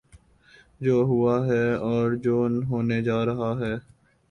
جو ہوا ہے اور جو ہونے جا رہا ہے۔